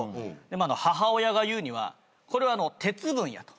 母親が言うには「鉄分や」と。